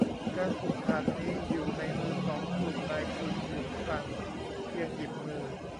การผูกขาดนี้อยู่ในมือของกลุ่มนายทุนขุนคลังเพียงหยิบมือ